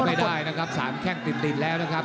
ไม่ได้นะครับ๓แข้งติดแล้วนะครับ